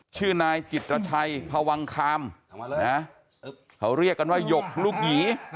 ชื่อนายจิตรชัยพวังคามนะเขาเรียกกันว่าหยกลูกหยี